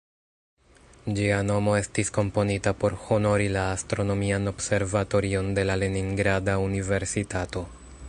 Ĝia nomo estis komponita por honori la "Astronomian Observatorion de la Leningrada Universitato".